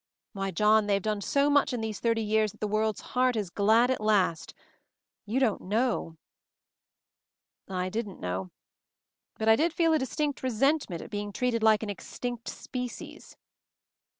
Why, John, they have done so much in these thirty years that the world's heart is glad at last. You don't know " I didn't know. But I did feel a distinct resentment at being treated like an extinct species.